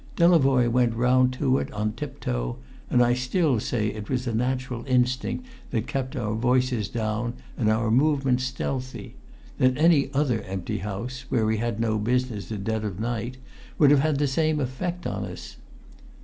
Delavoye went round to it on tip toe, and I still say it was a natural instinct that kept our voices down and our movements stealthy; that any other empty house, where we had no business at dead of night, would have had the same effect upon us.